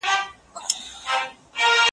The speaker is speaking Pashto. د بې وزلو حق مه ضايع کوئ.